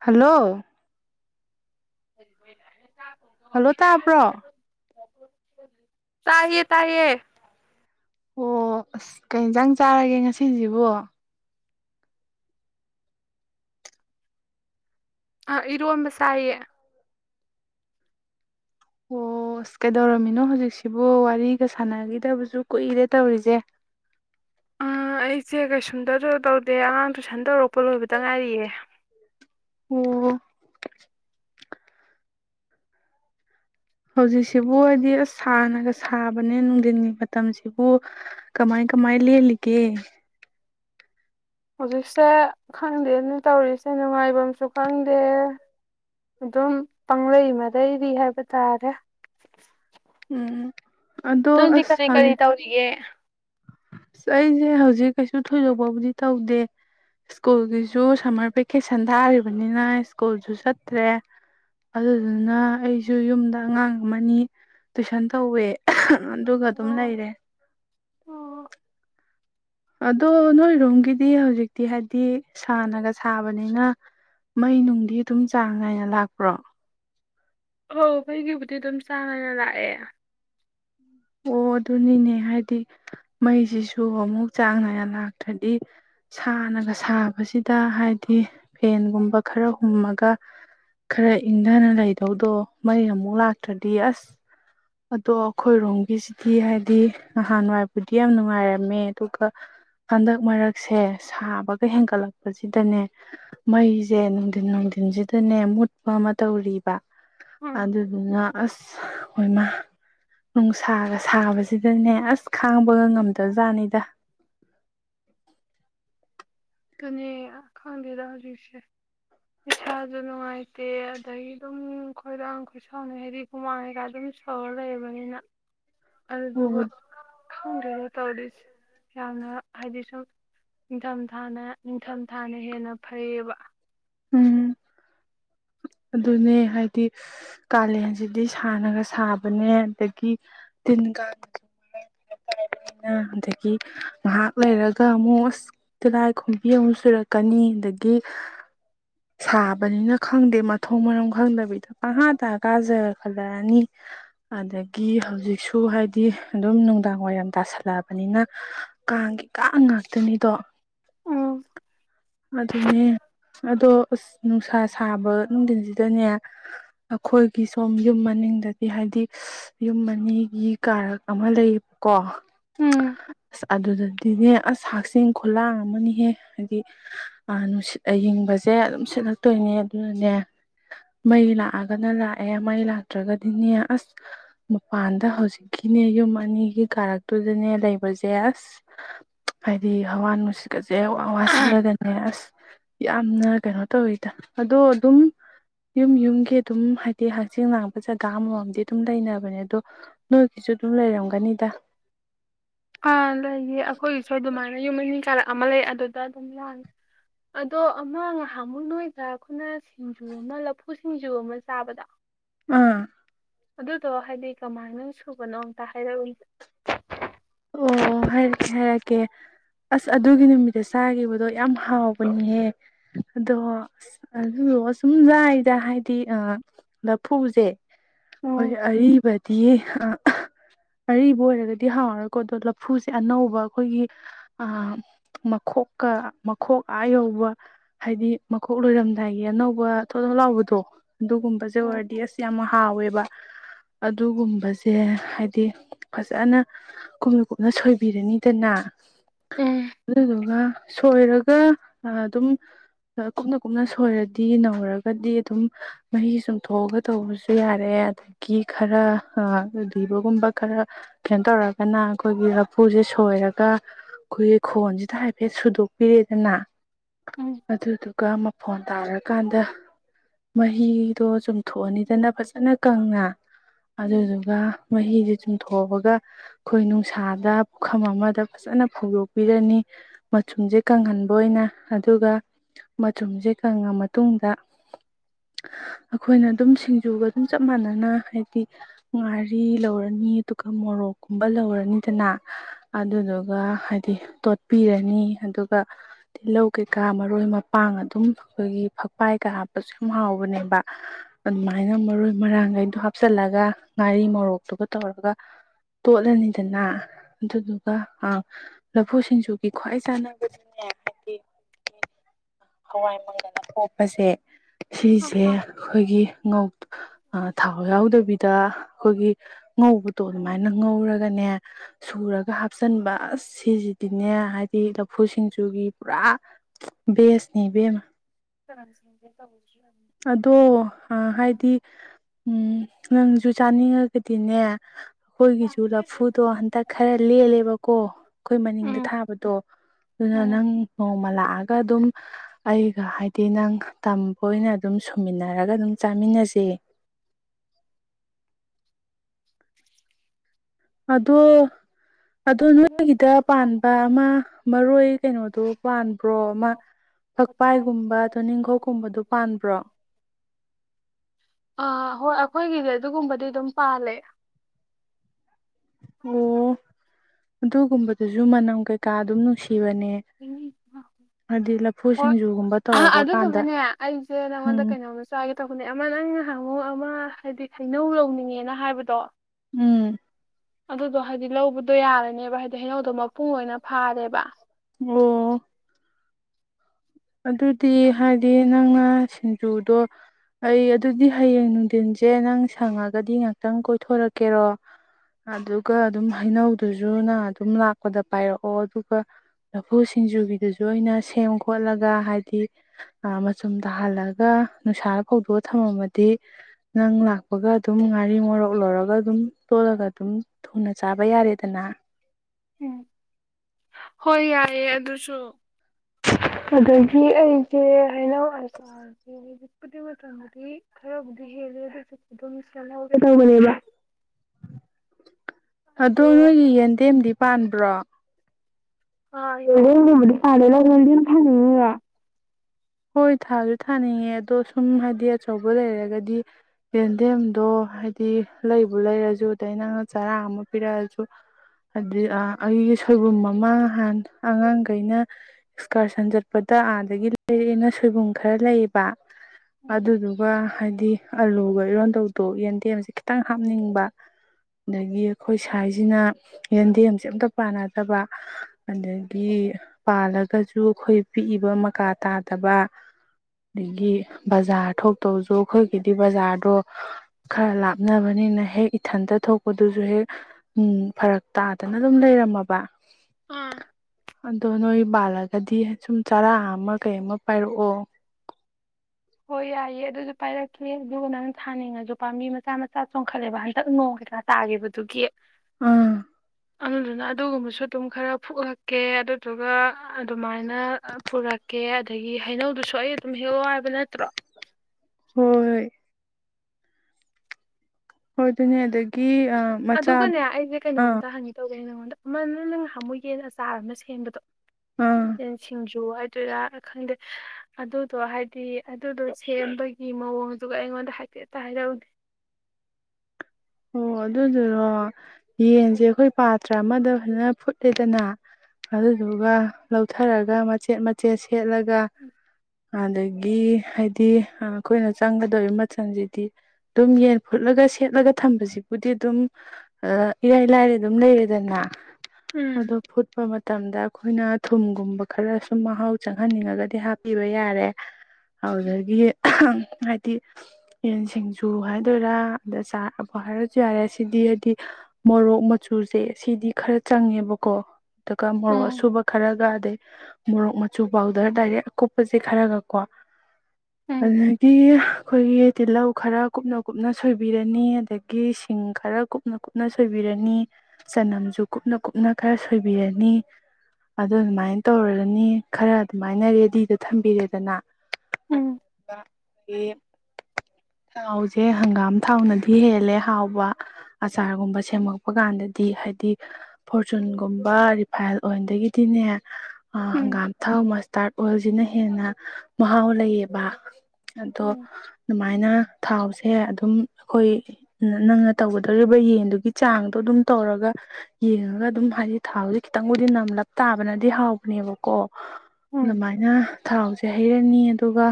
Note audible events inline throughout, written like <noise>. hello ꯗꯤ ꯑꯣꯏꯔꯔꯦ ꯆꯥꯛ ꯍꯜꯂꯣ ꯊꯣꯪꯗꯣꯀꯥꯒꯦ ꯇꯥꯕ꯭ꯔꯣ ꯍꯥꯏꯔꯣ <inaudible> ꯇꯥꯏꯌꯦ ꯇꯥꯏꯌꯦ ꯑꯣ ꯑꯁ ꯀꯩ ꯌꯦꯟꯖꯥꯡ ꯆꯥꯔꯒꯦ ꯉꯁꯤꯁꯤꯕꯣ ꯑ ꯏꯔꯝꯕ ꯁꯥꯏꯦ ꯑꯣ ꯑꯁ ꯀꯩꯗꯧꯔꯝꯃꯤꯅꯣ ꯍꯧꯖꯤꯛꯁꯤꯕꯨ ꯋꯥꯔꯤꯒ ꯁꯥꯟꯅꯈꯤꯗꯕꯁꯨ ꯀꯨꯏꯔꯦ ꯇꯧꯔꯤꯁꯦ ꯑꯩꯁꯦ ꯀꯩꯁꯨꯝꯗꯗ ꯇꯧꯗꯦ ꯑꯉꯥꯡ ꯇꯨꯏꯁꯟ ꯇꯧꯔꯛꯄ ꯂꯣꯏꯕꯇ ꯉꯥꯏꯔꯤꯌꯦ ꯑꯣ ꯍꯧꯖꯤꯛꯁꯤꯕꯨ ꯍꯥꯏꯗꯤ ꯑꯁ ꯁꯥꯟꯅꯒ ꯁꯥꯕꯅꯦ ꯅꯨꯡꯊꯤꯟꯒꯤ ꯃꯇꯝꯁꯤꯕꯨ ꯀꯃꯥꯏ ꯀꯃꯥꯏ ꯂꯦꯜꯂꯤꯒꯦ ꯍꯧꯖꯤꯛꯁꯦ ꯈꯪꯗꯦꯅ ꯇꯧꯔꯤꯁꯦ ꯅꯨꯡꯉꯥꯏꯐꯝꯁꯨ ꯈꯪꯗꯦ ꯑꯗꯨꯝ ꯄꯪꯂꯩ ꯑꯃꯗꯩꯔꯤ ꯍꯥꯏꯕ ꯇꯥꯔꯦ ꯎꯝ ꯑꯗꯣ ꯅꯗꯤ ꯑꯁ ꯀꯔꯤ ꯀꯔꯤ ꯍꯧꯖꯤꯛ ꯇꯋꯥꯒ ꯑꯁ ꯑꯩꯁꯦ ꯍꯧꯖꯤꯛ ꯀꯩꯁꯨ ꯊꯣꯏꯗꯣꯛꯄꯕꯨꯗꯤ ꯇꯧꯗꯦ ꯁ꯭ꯀꯨꯜꯒꯤꯁꯨ ꯁꯝꯃꯔ ꯚꯦꯀꯦꯁꯟ ꯊꯥꯔꯤꯕꯅꯤꯅ ꯁ꯭ꯀꯨꯜꯁꯨ ꯆꯠꯇ꯭ꯔꯦ ꯑꯗꯨꯗꯨꯅ ꯑꯩꯁꯨ ꯌꯨꯝꯗ ꯑꯉꯥꯡ ꯑꯃꯅꯤ ꯇꯨꯏꯁꯟ ꯇꯧꯋꯦ ꯑꯗꯨꯒ ꯑꯗꯨꯝ ꯑꯣ ꯂꯩꯔꯦ ꯑꯧ ꯑꯗꯣ ꯅꯣꯏꯔꯣꯝꯒꯤꯗꯤ ꯍꯧꯖꯤꯛꯇꯤ ꯍꯥꯏꯗꯤ ꯁꯥꯅꯒ ꯁꯥꯕꯅꯤꯅ ꯃꯩ ꯅꯨꯡꯗꯤ ꯑꯗꯨꯝ ꯆꯥꯡ ꯅꯥꯏꯅ ꯂꯥꯛꯄ꯭ꯔꯣ ꯍ ꯐꯣꯏꯒꯤꯕꯨꯗꯤ ꯑꯗꯨꯝ ꯆꯥꯡ ꯅꯥꯏꯅ ꯂꯥꯛꯑꯦ ꯑꯣ ꯑꯗꯨꯅꯤꯅꯦ ꯍꯥꯏꯗꯤ ꯃꯩꯁꯤꯁꯨ ꯑꯃꯨꯛ ꯆꯥꯡ ꯅꯥꯅ ꯂꯥꯛꯇ꯭ꯔꯗꯤ ꯁꯥꯅꯒ ꯁꯥꯕꯁꯤꯗ ꯍꯥꯏꯗꯤ ꯐꯦꯟꯒꯨꯝꯕ ꯈꯔ ꯍꯨꯝꯃꯒ ꯈꯔ ꯏꯪꯊꯅ ꯂꯩꯗꯧꯗꯣ ꯃꯩ ꯑꯃꯨꯛ ꯂꯥꯛꯇ꯭ꯔꯗꯤ ꯑꯁ ꯑꯗꯣ ꯑꯩꯈꯣꯏꯔꯣꯝ ꯁꯤꯗꯤ ꯍꯥꯏꯗꯤ ꯅꯍꯥꯟꯋꯥꯏꯕꯨꯗꯤ ꯌꯥꯝ ꯅꯨꯡꯉꯥꯏꯔꯝꯃꯦ ꯑꯗꯨꯒ ꯍꯟꯗꯛ ꯃꯔꯛꯁꯦ ꯁꯥꯕꯒ ꯍꯦꯟꯒꯠꯂꯛꯄꯁꯤꯗꯅꯦ ꯃꯩꯁꯦ ꯅꯨꯡꯊꯤꯟ ꯅꯨꯡꯊꯤꯟꯁꯤꯗꯅꯦ ꯃꯨꯠꯄ ꯑꯃ ꯇꯧꯔꯤꯕ ꯎꯝ ꯑꯗꯨꯖ ꯑꯁ ꯍꯣꯏ ꯃꯥ ꯅꯨꯡ ꯁꯥꯒ ꯁꯥꯕꯁꯤꯗꯅꯦ ꯑꯁ ꯈꯥꯡꯕꯒ ꯉꯝꯗꯕ ꯖꯥꯠꯅꯤꯗ ꯑꯗꯨꯅꯦ ꯈꯪꯗꯦꯗ ꯍꯧꯖꯤꯛꯁꯦ ꯏꯁꯥꯁꯨ ꯅꯨꯡꯉꯥꯏꯇꯦ ꯑꯗꯒꯤ ꯑꯗꯨꯝ ꯈꯣꯏꯔꯥꯡ ꯈꯣꯏꯁꯥꯎꯅꯩ ꯍꯥꯏꯗꯤ ꯍꯨꯃꯥꯡ ꯀꯩꯀꯥꯏ ꯑꯗꯨꯝ ꯁꯧꯔ ꯂꯩꯕꯅꯤꯅ ꯑꯗꯨꯗꯨꯒ ꯍꯣꯏ ꯈꯪꯗꯦꯗ ꯇꯧꯔꯤꯁꯦ ꯌꯥꯝꯅ ꯍꯥꯏꯗꯤ ꯁꯨꯝ ꯏꯟꯊꯝ ꯊꯥꯅ ꯅꯤꯡꯊꯝꯊꯥꯅ ꯍꯦꯟꯅ ꯐꯩꯌꯦꯕ ꯎꯝ ꯑꯗꯨꯅꯦ ꯍꯥꯏꯗꯤ ꯀꯥꯂꯦꯟꯁꯤꯗꯤ ꯁꯅꯒ ꯁꯥꯕꯅꯦ ꯑꯗꯒꯤ ꯇꯤꯟ ꯀꯥꯡ ꯄꯥꯏꯕꯅꯤꯅ ꯑꯗꯒꯤ ꯉꯥꯏꯍꯥꯛ ꯂꯩꯔꯒ ꯑꯃꯨꯛ ꯑꯁ ꯇꯤꯜꯂꯥꯏ ꯈꯨꯝꯕꯤ ꯑꯃꯨꯛ ꯁꯨꯔꯛꯀꯅꯤ ꯑꯗꯒꯤ ꯁꯥꯕꯅꯤꯅ ꯈꯪꯗꯦ ꯃꯊꯣꯡ ꯃꯔꯝ ꯈꯪꯗꯕꯤꯗ ꯄꯪꯍꯥꯇꯥꯥ ꯀꯥꯖ ꯈꯠꯂꯛꯑꯅꯤ ꯑꯗꯒꯤ ꯍꯧꯖꯤꯛꯁꯨ ꯍꯥꯏꯗꯤ ꯑꯗꯨꯝ ꯅꯨꯡꯗꯥꯡ ꯋꯥꯏꯔꯝ ꯇꯥꯁꯜꯂꯛꯑꯕꯅꯤꯅ ꯀꯥꯡꯒꯤ ꯀꯥꯡ ꯉꯥꯛꯇꯅꯤꯗꯣ ꯎꯝ ꯑꯗꯨꯅꯦ ꯑꯣ ꯑꯁ ꯅꯨꯡꯁꯥ ꯁꯥꯕ ꯅꯨꯡꯊꯤꯟꯁꯤꯗꯅꯦ ꯑꯩꯈꯣꯏꯒꯤ ꯁꯣꯝ ꯌꯨꯝ ꯃꯅꯤꯡꯗꯗꯤ ꯍꯥꯏꯗꯤ ꯌꯨꯝ ꯑꯅꯤꯒꯤ ꯀꯥꯔꯛ ꯑꯃ ꯂꯩꯌꯦꯕꯀꯣ ꯎꯝ ꯑꯁ ꯑꯗꯨꯗ ꯑꯗꯨꯗꯤ ꯑꯁ ꯍꯛꯁꯤꯡ ꯈꯨꯂꯥꯡ ꯑꯃꯅꯤꯍꯦ ꯍꯥꯏꯗꯤ ꯅꯨꯡꯁꯤꯠ ꯑꯌꯤꯡꯕꯁ ꯁꯦ ꯑꯗꯨꯝ ꯁꯤꯠꯂꯛꯇꯣꯏꯅꯦ ꯑꯗꯨꯅꯅꯦ ꯃꯩ ꯂꯥꯛꯑꯒꯅ ꯂꯥꯛꯑꯦ ꯃꯩ ꯂꯥꯛꯇ꯭ꯔꯒꯗꯤꯅꯦ ꯑꯁ ꯃꯄꯥꯟꯗ ꯍꯧꯖꯤꯛꯀꯤꯅꯦ ꯌꯨꯝ ꯑꯅꯤꯒꯤ ꯀꯥꯔꯛꯇꯨꯗꯅꯦ ꯂꯩꯕꯁꯦ ꯑꯁ ꯍꯥꯏꯗꯤ ꯍꯋꯥ ꯅꯨꯡꯁꯤꯠꯀ ꯁꯦ ꯋꯥꯋꯥꯁꯤꯠꯂꯒꯅꯦ ꯑꯁ ꯌꯥꯝꯅ ꯀꯩꯅꯣ ꯇꯧꯋꯤꯗ ꯑꯗꯣ ꯑꯗꯨꯝ ꯌꯨꯝ ꯌꯨꯝꯒꯤ ꯑꯗꯨꯝ ꯍꯥꯏꯗꯤ ꯍ ꯥꯛꯆꯤꯡꯕ ꯖꯒꯥ ꯑꯃꯃꯝꯗꯤ ꯑꯗꯨꯝ ꯂꯩꯅꯕꯅꯦ ꯑꯗꯣ ꯅꯣꯏꯒꯤꯁꯨ ꯑꯗꯨꯝ ꯂꯩꯔꯝꯒꯅꯤꯗ ꯑꯥ ꯂꯩꯌꯦ ꯑꯩꯈꯣꯏꯒꯤꯁꯨ ꯑꯗꯨꯃꯥꯏꯅ ꯌꯨꯝ ꯑꯅꯤ ꯀꯥꯂꯛ ꯑꯃ ꯂꯩ ꯑꯗꯨꯗ ꯑꯗꯨꯝ ꯂꯥꯡꯉ ꯑꯗꯣ ꯑꯃ ꯉꯥꯏꯍꯥꯛꯃꯨꯛ ꯅꯣꯏꯗ ꯑꯩꯈꯣꯏꯅ ꯃꯂ <unintelligible> ꯎ ꯁꯤꯡꯖꯨ ꯑꯃ ꯆꯥꯕꯗ ꯑ ꯑꯗꯨꯗꯣ ꯍꯥꯏꯗꯤ ꯀꯃꯥꯏꯅ ꯁꯨꯕꯅꯣ ꯑꯝꯇ ꯍꯥꯏꯔꯛꯎꯁꯦ ꯑꯣ ꯍꯥꯏꯔꯛꯀꯦ ꯍꯥꯏꯔꯛ ꯀꯦ ꯑꯁ ꯑꯗꯨꯒꯤ ꯅꯨꯃꯤꯠꯇ ꯆꯥꯒꯤꯕꯗꯣ ꯌꯥꯝ ꯍꯥꯎꯕꯅꯤꯍꯦ ꯑꯗꯣ ꯑꯁ ꯑꯗꯨ ꯁꯨꯝ ꯌꯥ ꯑꯩꯗ ꯍꯥꯏꯗꯤ ꯑ ꯂꯐꯨꯁꯦ ꯍꯣꯏ ꯎꯝ ꯑꯔꯤꯕꯗꯤ ꯑꯔꯤꯕ ꯑꯣꯏꯔꯒꯗꯤ ꯍꯥꯎꯔꯒ ꯀꯣꯗꯣ ꯂꯐꯨꯁꯦ ꯑꯅꯧꯕ ꯑꯩꯈꯣꯏꯒꯤ ꯑ ꯃꯈꯣꯛꯀ ꯃꯈꯣꯛ ꯑꯥ ꯌꯧꯕ ꯍꯥꯏꯗꯤ ꯃꯈꯣꯛ ꯂꯣꯏꯔꯝꯗꯥꯏꯒꯤ ꯑꯅꯧꯕ ꯊꯣꯠ ꯊꯣꯠ ꯂꯥꯎꯕꯗꯣ ꯑꯗꯨꯒꯨꯝꯕꯁꯦ ꯎꯝ ꯑꯣꯏꯔꯗꯤ ꯑꯁ ꯌꯥꯝ ꯍꯥꯎꯋꯦꯕ ꯑꯗꯨꯒꯨꯝꯕꯁꯦ ꯍꯥꯏꯗꯤ ꯐꯖꯅ ꯀꯨꯞꯅ ꯀꯨꯞꯅ ꯁꯣꯏꯕꯤꯔꯅꯤꯗꯅ ꯎꯝ ꯑꯗꯨꯗꯨꯒ ꯁꯣꯏꯔꯒ ꯑꯗꯨꯝ ꯀꯨꯞꯅ ꯀꯨꯞꯅ ꯁꯣꯏꯔꯗꯤ ꯅꯧꯔꯒꯗꯤ ꯑꯗꯨꯝ ꯃꯍꯤ ꯆꯨꯝꯊꯣꯛꯑꯒ ꯇꯧꯕꯁꯨ ꯌꯥꯔꯦ ꯑꯗꯒꯤ ꯈꯔ ꯂꯤꯕꯒꯨꯝꯕ ꯈꯔ ꯀꯩꯅꯣ ꯇꯧꯔꯒ ꯒꯅ ꯑꯩꯈꯣꯏꯒꯤ ꯂꯥꯐꯨꯁꯦ ꯁꯣꯏꯔꯒ ꯑꯩꯈꯣꯏꯒꯤ ꯈꯣꯟꯁꯤꯗ ꯍꯥꯏꯐꯦꯠ ꯁꯨꯗꯣꯛꯄꯤꯔꯦꯗꯅ ꯎꯝ ꯎꯝ ꯑꯗꯨꯗꯨꯒ ꯃꯐꯣꯟ ꯇꯥꯔꯀꯥꯟꯗ ꯃꯍꯤꯗꯣ ꯆꯨꯝꯊꯣꯛꯑꯅꯤꯗꯅ ꯐꯖꯅ ꯀꯪꯅ ꯎꯝ ꯑꯗꯨꯗꯨꯒ ꯃꯍꯤꯗꯨ ꯁꯨꯝꯊꯑꯕꯒ ꯑꯩꯈꯣꯏ ꯅꯨꯡꯁꯥꯗ ꯄꯨꯈꯝ ꯑꯃꯗ ꯐꯖꯅ ꯐꯨꯗꯣꯛꯄꯤꯔꯅꯤ ꯃꯆꯨꯝꯁꯦ ꯀꯪꯍꯟꯕ ꯑꯣꯏꯅ ꯑꯗꯨꯒ ꯃꯆꯨꯝꯁꯦ ꯀꯪꯉ ꯃꯇꯨꯡꯗ ꯑꯩꯈꯣꯏꯅ ꯑꯗꯨꯝ ꯁꯤꯡꯖꯨꯒ ꯑꯗꯨꯝ ꯆꯞ ꯃꯥꯟꯅꯅ ꯍꯥꯏꯗꯤ ꯉꯥꯔꯤ ꯂꯧꯔꯅꯤ ꯑꯗꯨꯒ ꯃꯣꯔꯣꯛ ꯀꯨꯨꯝꯕ ꯂꯧꯔꯅꯤꯗꯅ ꯑ ꯇꯣꯠꯂꯅꯤꯗꯅ ꯑꯗꯨꯗꯨꯒ ꯑꯥ ꯂꯐꯨ ꯁꯤꯡꯖꯨꯒꯤ ꯈ꯭ꯋꯥꯏ ꯆꯥꯅꯕꯗꯨꯅꯦ ꯍꯥꯏꯗꯤ ꯍꯋꯥꯏ ꯃꯪꯒꯟ ꯄꯣꯞꯄꯁꯦ ꯁꯤꯁꯦ ꯑꯩꯈꯣꯏꯒꯤ ꯉꯧ ꯊꯥꯎ ꯌꯥꯎꯗꯕꯤꯗ ꯑꯩꯈꯣꯏꯒꯤ ꯉꯧꯕ <unintelligible> ꯃꯥꯏꯅ ꯉꯧꯔꯒꯅꯦ ꯁꯨꯔꯒ ꯍꯥꯞꯆꯟꯕ ꯑꯁ ꯁꯤꯁꯤꯗꯤꯅꯦ ꯍꯥꯏꯗꯤ ꯂꯐꯨ ꯁꯤꯡꯖꯨꯒꯤ ꯄꯨꯔꯥ ꯕꯦꯁꯅꯤ ꯕꯦꯝꯃ <unintelligible> ꯑꯗꯣ ꯍꯥꯏꯗꯤ ꯎ ꯅꯪꯁꯨ ꯆꯥꯅꯤꯡꯉꯒꯗꯤꯅꯦ <inaudible> ꯑꯩꯈꯣꯏꯒꯤꯁꯨ ꯂꯐꯨꯗꯣ ꯍꯟꯗꯛ ꯈꯔ ꯂꯦꯜꯂꯦꯕꯀꯣ ꯑꯩꯈꯣꯏ ꯃꯅꯤꯡꯗ ꯎꯝ ꯊꯥꯕꯗꯣ ꯑꯗꯨꯅ ꯅꯪ ꯅꯣꯡꯃ ꯂꯥꯛꯑ ꯗꯨꯝ ꯑꯩꯒ ꯍꯥꯏꯗꯤ ꯅꯪ ꯇꯝꯕ ꯑꯣꯏꯅ ꯗꯨꯝ ꯁꯨꯃꯤꯟꯅꯔꯒ ꯑꯗꯨꯝ ꯆꯥꯃꯤꯟꯅꯁꯦ ꯑꯗꯣ ꯑꯗꯣ ꯅꯣꯏ ꯅꯣꯏꯒꯤꯗ ꯄꯥꯟꯕ ꯆꯠꯀꯥꯟꯗ ꯑꯃ ꯅꯪ ꯃꯔꯣꯏ ꯀꯩꯅꯣꯗꯣ ꯄꯥꯟꯕ꯭ꯔꯣ ꯑꯃ ꯐꯛꯄꯥꯏꯒꯨꯝꯕ ꯇꯣꯅꯤꯡꯈꯣꯛꯀꯨꯝꯕꯗꯣ ꯄꯥꯟꯕ꯭ꯔꯣ ꯈꯣꯏꯒꯤꯗꯤ ꯑꯗꯨꯒꯨꯝꯕꯗꯤ ꯑꯗꯨꯝ ꯄꯥꯜꯂꯦ ꯑꯣ ꯑꯗꯨꯒꯨꯝꯕꯗꯨꯁꯨ ꯃꯅꯝ ꯀꯩꯀꯥ ꯑꯗꯨꯝ ꯅꯨꯡꯁꯤ ꯂꯐꯨ ꯍꯣꯏ ꯁꯤꯡꯖꯨꯒꯨꯝꯕ ꯇꯧꯔꯛꯄ ꯀꯥꯟꯗ ꯑꯗꯨꯗꯨꯒꯅꯦ ꯑꯩꯁꯦ ꯅꯪꯉꯣꯟꯗ ꯎꯝ ꯀꯩꯅꯣꯝꯖꯨ ꯍꯥꯒꯦ ꯇꯧꯕꯅꯦ ꯑꯃ ꯅꯪꯅ ꯉꯨ ꯑꯃ ꯍꯥꯏꯗꯤ ꯍꯩꯅꯧ ꯂꯧꯅꯤꯡꯉꯦꯅ ꯍꯥꯏꯕꯗꯣ ꯎꯝ ꯑꯗꯨꯗꯣ ꯍꯥꯏꯗꯤ ꯂꯧꯕꯗꯣ ꯌꯥꯔꯅꯦꯕ ꯍꯥꯏꯗꯤ ꯍꯩꯅꯧꯗꯣ ꯃꯄꯨꯡ ꯑꯣꯏꯅ ꯐꯥꯔꯦꯕ ꯑꯣ ꯑꯗꯨꯗꯤ ꯍꯥꯏꯗꯤ ꯅꯪꯅ ꯁꯤꯡꯖꯨꯗꯣ ꯑꯩ ꯑꯗꯨꯗꯤ ꯍꯌꯦꯡ ꯅꯨꯡꯊꯤꯟꯁꯦ ꯅꯪ ꯁꯪꯉꯒꯗꯤ ꯉꯥꯛꯇꯪ ꯀꯣꯏꯊꯣꯔꯛꯀꯦꯔꯣ ꯑꯗꯨꯒ ꯑꯗꯨꯝ ꯍꯩꯅꯧꯗꯨꯁꯨꯅ ꯑꯗꯨꯝ ꯂꯥꯛꯄꯗ ꯄꯥꯏꯔꯛꯑꯣ ꯑꯗꯨꯒ ꯂꯐꯨ ꯁꯤꯡꯖꯨꯒꯤꯗꯨꯁꯨ ꯑꯩꯅ ꯁꯦꯝ ꯈꯣꯠꯂ ꯒꯥ ꯍꯥꯏꯗꯤ ꯃꯆꯨꯝ ꯇꯥꯍꯜꯂꯒ ꯅꯨꯡꯁꯥꯗ ꯐꯧꯗꯣꯛꯑ ꯊꯝꯃꯝꯃꯗꯤ ꯅꯪ ꯂꯥꯛꯄꯒ ꯑꯗꯨꯝ ꯉꯥꯔꯤ ꯃꯣꯔꯣꯛ ꯂꯧꯔꯒ ꯑꯗꯨꯝ ꯇꯣꯠꯂꯒ ꯑꯗꯨꯝ ꯊꯨꯅ ꯆꯥꯕ ꯌꯥꯔꯦꯗꯅ ꯎꯝ ꯍꯣꯏ ꯌꯥꯏꯑꯦ ꯑꯗꯨꯁꯨ ꯑꯗꯒꯤ ꯑꯩꯁꯦ ꯍꯩꯅꯧ ꯑꯆꯥꯔꯁꯨ ꯍꯧꯖꯤꯛ ꯈꯨꯗꯤꯡ ꯃꯇꯝꯗꯤ ꯈꯔꯕꯨꯗꯤ ꯍꯦꯜꯂꯦ ꯍꯧꯖꯤꯛ <unintelligible> ꯑꯗꯣ ꯅꯣꯏꯒꯤ ꯌꯦꯟꯗꯦꯝꯗꯤ ꯄꯥꯟꯕ꯭ꯔꯣ ꯑ ꯌꯦꯟꯗꯦꯝꯒꯨꯝꯕꯅꯤ ꯄꯥꯜꯂꯦ ꯅꯪ ꯌꯦꯟꯗꯦꯝ ꯊꯥꯅꯤꯡꯉꯤꯔꯣ ꯍꯣꯏ ꯊꯥꯁꯨ ꯊꯥꯅꯤꯡꯉꯦ ꯑꯗꯣ ꯁꯨꯝ ꯍꯥꯏꯗꯤ ꯑꯆꯧꯕ ꯂꯩꯔꯒꯗꯤ ꯌꯦꯟꯗꯦꯝꯗꯣ ꯍꯥꯏꯗꯤ ꯂꯩꯕꯨ ꯂꯩꯔꯁꯨ ꯑꯗꯩ ꯅꯪꯅ ꯆꯥꯔꯥ ꯑꯃ ꯄꯤꯔꯛꯑꯁꯨ ꯍꯥꯏꯗꯤ ꯑꯩꯒꯤ ꯁꯣꯏꯕꯨꯝ ꯑꯃ ꯍꯥꯟ ꯑꯉꯥꯡꯈꯩꯅ ꯑꯦꯛꯁꯀꯔꯁꯟ ꯆꯠꯄꯗ ꯑꯥꯗ ꯂꯩꯔꯤꯅ ꯁꯣꯏꯕꯨꯝ ꯈꯔ ꯂꯩꯌꯦꯕ ꯑꯗꯨꯗꯨꯒ ꯍꯥꯏꯗꯤ ꯑꯂꯨꯒ ꯏꯔꯣꯟꯗꯧꯇꯣ ꯌꯦꯟꯗꯦꯝꯁꯦ ꯈꯤꯇꯪ ꯍꯥꯞꯅꯤꯡꯕ ꯑꯗꯒꯤ ꯑꯩꯈꯣꯏ ꯁ꯭ꯋꯥꯁꯤꯅ ꯌꯦꯟꯗꯦꯝꯁꯦ ꯑꯝꯇ ꯄꯥꯟꯅꯗꯕ ꯑꯗꯒꯤ ꯄꯥꯜꯂꯒꯁꯨ ꯑꯩꯈꯣꯏ ꯄꯤꯛꯏꯕ ꯃꯀꯥ ꯇꯥꯗꯕ ꯑꯗꯒꯤ ꯕꯖꯥꯔ ꯊꯣꯛꯇꯕꯁꯨ ꯑꯩꯈꯣꯏꯒꯤꯗꯤ ꯕꯖꯥꯔꯗꯣ ꯈꯔ ꯂꯥꯞꯅꯕꯅꯤꯅ ꯍꯦꯛ ꯏꯊꯟꯇ ꯊꯣꯛꯄꯗꯨꯁꯨ ꯍꯦꯛ ꯎ ꯐꯔꯛ ꯇꯥꯗꯅ ꯑꯗꯨꯝ ꯂꯩꯔꯝꯃꯕ ꯑꯥ ꯑꯗꯣ ꯅꯣꯏ ꯄꯥꯜꯂ ꯔꯒꯗꯤ ꯁꯨꯝ ꯆꯥꯔꯥ ꯑꯃ ꯀꯩ ꯑꯃ ꯄꯥꯏꯔꯛꯑꯣ ꯍꯣꯏ ꯌꯥꯏꯑꯌꯦ ꯑꯗꯨꯁꯨ ꯄꯥꯏꯔꯛꯀꯦ ꯑꯗꯨꯒ ꯅꯪ ꯊꯥꯅꯤꯡꯉꯁꯨ ꯄꯥꯝꯕꯤ ꯃꯆꯥ ꯃꯆꯥ ꯆꯣꯡꯈꯠꯂꯦꯕ ꯍꯟꯗꯛ ꯅꯣꯡ ꯀꯩꯀꯥ ꯇꯥꯒꯤꯕꯗꯨꯒꯤ ꯑꯥ ꯑꯗꯨꯗꯨꯅ ꯑꯗꯨꯒꯨꯝꯕꯁꯨ ꯑꯗꯨꯝ ꯈꯔ ꯐꯨꯂꯛꯀꯦ ꯑꯗꯨꯗꯨꯒ ꯑꯗꯨꯃꯥꯏꯅ ꯄꯨꯔꯛꯀꯦ ꯑꯗꯨꯗꯒꯤ ꯍꯩꯅꯧꯗꯨꯁꯨ ꯑꯩ ꯑꯗꯨꯝ ꯍꯦꯛꯂꯑꯣ ꯍꯥꯏꯕ ꯅ ꯍꯣꯏ ꯍꯣꯏ ꯑꯗꯨꯅꯦ ꯑꯗ ꯀꯤ ꯑ ꯃꯆꯥ ꯑꯥ ꯅꯉꯣꯟꯗ ꯑꯃꯅ ꯅꯪ ꯍꯥꯃꯨꯒꯤꯦꯅ ꯑꯆꯥꯔ ꯑꯃ ꯁꯦꯝꯕꯗꯣ ꯑꯥ ꯁꯤꯡꯖꯣ ꯑꯗꯨꯔꯥ ꯈꯪꯗꯦ ꯑꯗꯨꯗꯣ ꯍꯥꯏꯗꯤ ꯑꯗꯨꯗꯣ ꯁꯦꯝꯕꯒꯤ ꯃꯑꯣꯡꯗꯨꯒ ꯑꯩꯉꯣꯟꯗ ꯍꯥꯏꯐꯦꯠꯇ ꯍꯥꯏꯔꯎꯗꯦ ꯑꯣ ꯑꯗꯨꯗꯨꯔꯣ ꯌꯦꯟꯁꯦ ꯑꯩꯈꯣꯏ ꯄꯥꯇ꯭ꯔ ꯑꯃꯗ ꯐꯖꯅ ꯐꯨꯠꯂꯦꯗꯅ ꯑꯗꯨꯗꯨꯒ ꯂꯧꯊꯔꯒ ꯃꯆꯦꯠ ꯃꯆꯦꯠꯁꯦ ꯈꯦꯠꯂꯒ ꯑꯗꯒꯤ ꯍꯥꯏꯗꯤ ꯑꯩꯈꯣꯏꯅ ꯆꯪꯒꯗꯧꯔꯤꯕ ꯃꯆꯜꯁꯤꯗꯤ ꯑꯗꯨꯝ ꯌꯦꯟ ꯐꯨꯠꯂꯒ ꯁꯦꯠꯂꯒ ꯊꯝꯕꯁꯤꯕꯨꯗꯤ ꯑꯗꯨꯝ ꯏꯔꯥꯏ ꯂꯥꯏꯔ ꯑꯗꯨꯝ ꯂꯩꯔꯦꯗꯅ ꯎꯝ ꯑꯗꯣ ꯐꯨꯠꯄ ꯃ ꯃꯇꯝꯗ ꯑꯩꯈꯣꯏꯅ ꯊꯨꯝꯒꯨꯝꯕ ꯈꯔ ꯁꯨꯝ ꯃꯍꯥꯎ ꯆꯪꯍꯟꯅꯤꯡꯉꯒꯗꯤ ꯍꯥꯞꯄꯤꯕ ꯌꯥꯔꯦ ꯍꯥꯎꯗꯒ ꯍꯥꯏꯗꯤ ꯌꯦꯟ ꯁꯤꯡꯖꯨ ꯍꯥꯏꯗꯣꯏꯔꯥ ꯑꯗꯥ ꯍꯥꯏꯔꯁꯨ ꯌꯥꯔꯦ ꯁꯤꯗꯤ ꯍꯥꯏꯗꯤ ꯃꯣꯔꯣꯛ ꯃꯆꯨꯁꯦ ꯁꯤꯗꯤ ꯈꯔ ꯆꯪꯉꯦꯕꯀꯣ ꯑꯗꯨꯒ ꯃꯣꯔꯣꯛ ꯑ ꯎꯝ ꯁꯨꯕ ꯈꯔꯒꯗꯦ ꯃꯣꯔꯣꯛ ꯃꯆꯨ ꯄꯥꯎꯗꯔ ꯗꯥꯏꯔꯦꯛ ꯑꯀꯨꯞꯄꯁꯦ ꯈꯔꯒ ꯀꯣ ꯎꯝ ꯑꯗꯨꯗꯒꯤ ꯑꯩꯈꯣꯏꯒꯤ ꯇꯤꯜꯍꯧ ꯈꯔ ꯀꯨꯞꯅ ꯀꯨꯞꯅ ꯁꯣꯏꯕꯤꯔꯅꯤ ꯑꯗꯒꯤ ꯒꯤ ꯁꯤꯡ ꯈꯔ ꯀꯨꯞꯅ ꯀꯨꯞꯅ ꯁꯣꯏꯕꯤꯔꯅꯤ ꯆꯅꯝꯁꯨ ꯀꯨꯞꯅ ꯀꯨꯞꯅ ꯈꯔ ꯁꯣꯏꯕꯤꯔꯅꯤ ꯑꯗꯨ ꯑꯗꯨꯃꯥꯏꯅ ꯇꯧꯔꯅꯤ ꯈꯔ ꯑꯗꯨꯃꯥꯏꯅ ꯔꯦꯗꯤꯗ ꯊꯝꯕꯤꯔꯦꯗꯅ ꯎꯝ ꯑꯩ ꯊꯥꯎꯁꯦ ꯍꯪꯒꯥꯝ ꯊꯥꯎꯅꯗꯤ ꯍꯦꯜꯂꯦ ꯍꯥꯎꯕ ꯑꯆꯥꯔꯒꯨꯝꯕ ꯁꯦꯝꯃꯛꯄ ꯀꯥꯟꯗꯗꯤ ꯍꯥꯏꯗꯤ ꯐꯣꯔꯆꯨꯟꯒꯨꯝꯕ ꯔꯤꯐꯥꯏꯟ ꯑꯣꯏꯜꯗꯒꯤꯗꯤꯅꯦ ꯎꯝ ꯍꯪꯒꯥꯝ ꯊꯥꯎ ꯃꯁꯇꯥꯔꯠ ꯑꯣꯏꯜꯁꯤꯅ ꯍꯦꯟꯅ ꯃꯍꯥꯎ ꯂꯩꯌꯦꯕ ꯑꯗꯣ ꯎꯝ ꯑꯗꯨꯃꯥꯏꯅ ꯊꯥꯎꯁꯦ ꯑꯗꯨꯝ ꯑꯩꯈꯣꯏ ꯅꯪꯅ ꯇꯧꯒꯗꯧꯔꯤꯕ ꯌꯦꯟꯗꯨꯒꯤ ꯆꯥꯡꯗꯣ ꯑꯗꯨꯝ ꯇꯧꯔꯒ ꯌꯦꯡꯉꯒ ꯑꯗꯨꯝ ꯍꯥꯏꯗꯤ ꯊꯥꯎꯁ ꯈꯤꯇꯪꯕꯨꯗꯤ ꯅꯝꯂꯞ ꯇꯥꯕꯅꯗꯤ ꯍꯥꯎꯕꯅꯦꯕꯀꯣ ꯎꯝ ꯑꯗꯨꯃꯥꯏꯅ ꯊꯥꯎꯁꯦ ꯍꯩꯔꯅꯤ ꯑꯗꯨꯒ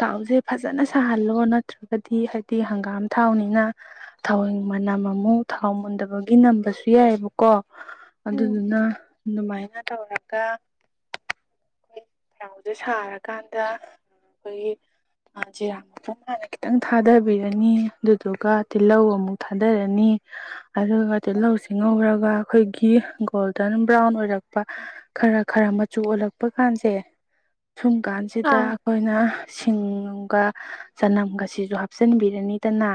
ꯊꯥꯎꯁꯦ ꯐꯖꯅ ꯁꯥꯍꯜꯂꯣ ꯅꯠꯇ꯭ꯔꯒꯗꯤ ꯍꯥꯏꯗꯤ ꯍꯪꯒꯥꯝ ꯊꯥꯎꯅꯤꯅ ꯊꯋꯡ ꯃꯅꯝ ꯑꯃꯨꯛ ꯊꯥꯎ ꯃꯨꯟꯗꯕꯒꯤ ꯅꯝꯕꯁꯨ ꯌꯥꯏꯑꯕꯀꯣ ꯎꯝ ꯑꯗꯨꯗꯨꯅ ꯑꯗꯨꯃꯥꯏꯅ ꯇꯧꯔꯒ ꯑꯩꯈꯣꯏ ꯐꯥꯎꯁꯦ ꯁꯥꯔꯀꯥꯟꯗ ꯑꯩꯈꯣꯏꯒꯤ ꯖꯤꯔꯥ ꯃꯨꯝ ꯍꯥꯟꯅ ꯈꯤꯇꯪ ꯊꯥꯗꯕꯤꯔꯅꯤ ꯑꯗꯨꯗꯨꯒ ꯇꯤꯜꯍꯧ ꯑꯃꯨꯛ ꯊꯥꯗꯔꯅꯤ ꯑꯗꯨꯒ ꯇꯤꯜꯍꯧꯁꯤ ꯉꯧꯔꯒ ꯑꯩꯈꯣꯏꯒꯤ ꯒꯣꯜꯗꯟ ꯕ꯭ꯔꯥꯎꯟ ꯑꯣꯏꯔꯛꯄ ꯈꯔ ꯈꯔ ꯃꯆꯨ ꯑꯣꯜꯂꯛꯄ ꯀꯥꯟꯁꯦ ꯁꯨꯝ ꯀꯥꯟꯁꯤꯗ ꯑꯥ ꯑꯩꯈꯣꯏꯅ ꯁꯤꯡꯒ ꯆꯅꯝꯒꯁꯤꯁꯨ ꯍꯥꯞꯆꯤꯟꯕꯤꯔꯅꯤꯗꯅ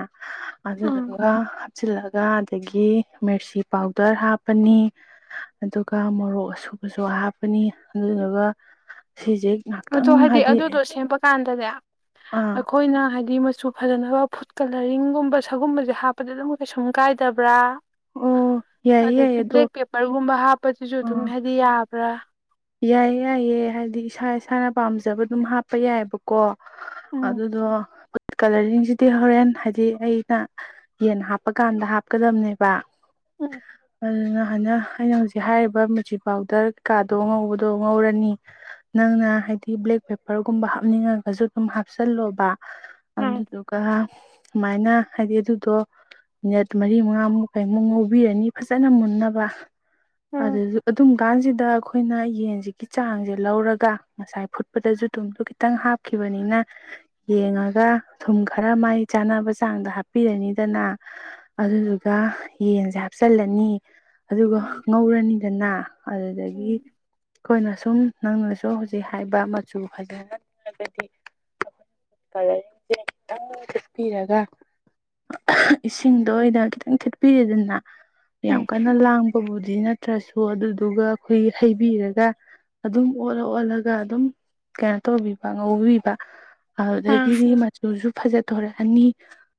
ꯎꯝ ꯑꯗꯨꯗꯨꯒ ꯍꯥꯞꯆꯤꯜꯂꯒ ꯑꯗꯒꯤ ꯃꯤꯔꯆꯤ ꯄꯥꯎꯗꯔ ꯍꯥꯞꯄꯅꯤ ꯑꯗꯨꯒ ꯃꯣꯔꯣꯛ ꯑꯁꯨꯕꯁꯨ ꯍꯥꯞꯄꯅꯤ ꯑꯗꯨꯗꯨꯒ ꯁꯤꯁꯦ ꯑꯗꯣ ꯉꯥꯛꯇꯪ ꯍꯥꯏꯗꯤ ꯑꯗꯨꯗꯣ ꯁꯦꯝꯕ ꯀꯥꯟꯗꯅꯦ ꯑꯥ ꯑꯩꯈꯣꯏꯅ ꯍꯥꯏꯗꯤ ꯁꯨ ꯐꯖꯅꯕ ꯐꯨꯗ ꯀꯂꯔꯤꯡꯒꯨꯝꯕ ꯁꯒꯨꯝꯕꯁꯦ ꯍꯥꯞꯄꯗ ꯑꯗꯨꯝ ꯀꯩꯁꯨꯝ ꯀꯥꯏꯗꯕ꯭ꯔꯥ ꯑꯣ ꯌꯥꯏꯌꯦ ꯑꯗꯒꯤ ꯌꯥꯏꯌꯦ ꯑꯗꯣ ꯕ꯭ꯂꯦꯛ ꯄꯦꯄꯔꯒꯨꯝꯕ ꯍꯥꯞꯄꯗꯨꯁꯨ ꯑꯥ ꯑꯗꯨꯝ ꯍꯥꯏꯗꯤ ꯌꯥꯕ ꯄꯨ꯭ꯔ ꯌꯥꯏꯌꯦ ꯌꯥꯏꯌꯦ ꯍꯥꯏꯗꯤ ꯏꯁꯥ ꯏꯁꯥꯅ ꯄꯥꯝꯖꯕ ꯑꯗꯨꯝ ꯍꯥꯞꯄ ꯌꯥꯏꯑꯕꯀꯣ ꯎꯝ ꯑꯗꯨꯗꯨ ꯀꯂꯔꯤꯡꯁꯤꯗꯤ ꯍꯣꯔꯦꯟ ꯍꯥꯏꯗꯤ ꯑꯩꯅ ꯌꯦꯟ ꯍꯥꯞꯄꯀꯥꯟꯗ ꯍꯥꯞꯀꯗꯕꯅꯦꯕ ꯎꯝ ꯑꯗꯨꯅ ꯍꯥꯏꯅ ꯑꯩꯅ ꯍꯧꯖꯤꯛ ꯍꯥꯏꯔꯤꯕ ꯃꯨꯆꯤ ꯄꯥꯎꯗꯔ ꯀꯥꯔꯗ ꯇꯗꯣ ꯉꯧꯕꯗꯣ ꯉꯧꯔꯅꯤ ꯅꯪꯅ ꯍꯥꯏꯗꯤ ꯕ꯭ꯂꯦꯛ ꯄꯦꯄꯔꯒꯨꯝꯕ ꯍꯥꯞꯅꯤꯡꯉꯒꯁꯨ ꯑꯗꯨꯝ ꯍꯥꯞꯆꯜꯂꯣꯕ ꯎꯝ ꯑꯗꯗꯨꯒ ꯁꯨꯃꯥꯏꯅ ꯍꯥꯏꯗꯤ ꯑꯗꯨꯗꯣ ꯃꯤꯅꯠ ꯃꯔꯤ ꯃꯉꯥꯃꯨꯛ ꯀꯩꯃꯨꯛ ꯉꯧꯕꯤꯔꯅꯤ ꯐꯖꯅ ꯃꯨꯟꯅꯕ ꯑꯗꯨ ꯎꯝ ꯑꯗꯨꯝ ꯒꯥꯟꯁꯤꯤꯗ ꯑꯩꯈꯣꯏꯅ ꯌꯦꯟꯁꯤꯒꯤ ꯆꯥꯡꯁꯦ ꯂꯧꯔꯒ ꯉꯁꯥꯏ ꯐꯨꯠꯄꯗꯁꯨ ꯊꯨꯝꯗ ꯈꯤꯇꯪ ꯍꯥꯞꯈꯤꯕꯅꯤꯅ ꯌꯦꯡꯉꯒ ꯊꯨꯝ ꯈꯔ ꯃꯥꯏ ꯆꯥꯅꯕ ꯆꯥꯡꯗ ꯍꯥꯞꯄꯤꯔꯅꯤꯗꯅ ꯑꯗꯨꯗꯨꯒ ꯌꯦꯟꯁꯦ ꯍꯥꯞꯆꯤꯜꯂꯅꯤ ꯑꯗꯨꯒ ꯎꯝ ꯉꯧꯔꯅꯤꯗꯅ ꯑꯗꯨꯗꯒꯤ ꯑꯩꯈꯣꯏꯅ ꯁꯨꯝ ꯅꯪꯅꯁꯨ ꯍꯧꯖꯤꯛ ꯍꯥꯏꯕ ꯃꯆꯨ ꯐꯖꯅꯅꯤꯡꯉꯒꯗꯤ ꯑꯩꯈꯣꯏꯅꯂꯔꯤꯡꯁꯦ ꯈꯤꯇꯪ ꯊꯤꯠꯄꯤꯔꯒ ꯏꯁꯤꯡꯗ ꯑꯣꯏꯅ ꯈꯤꯇꯪ ꯊꯤꯠꯄꯤꯔꯗꯅ ꯌꯥꯝ ꯀꯟꯅ ꯂꯥꯡꯕꯕꯨꯗꯤ ꯅꯠꯇꯦ ꯇ꯭ꯔꯁꯨ ꯑꯗꯨꯗꯨꯒ ꯑꯩꯈꯣꯏꯒꯤ ꯍꯩꯕꯤꯔꯒ ꯑꯗꯨꯝ ꯑꯣꯜꯂ ꯑꯣꯠꯂꯒ ꯑꯗꯨꯝ ꯀꯩꯅꯣ ꯇꯧꯕꯤꯕ ꯉꯧꯕꯤꯕ ꯎꯝ ꯑꯗꯨꯗꯒꯤꯗꯤ ꯃꯁꯨ ꯐꯖ ꯇ ꯍꯔꯦ ꯑ